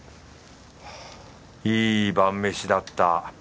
いい晩めしだった。